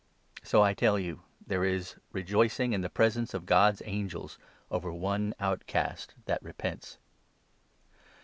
So, I tell you, there is 10 rejorcing in the presence of God's angels over one outcast that repents."